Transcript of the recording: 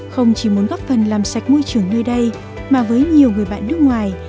không chỉ muốn góp phần làm sạch môi trường nơi đây mà với nhiều người bạn nước ngoài